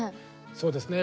そうですね。